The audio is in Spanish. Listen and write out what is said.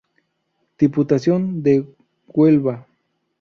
Diputación de Huelva.